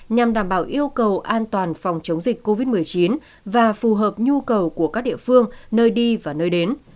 nhằm đảm bảo yêu cầu an toàn phòng chống dịch covid một mươi chín và phù hợp nhu cầu của các địa phương nơi đi và nơi đến